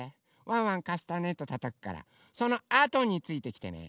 ワンワンカスタネットたたくからそのあとについてきてね。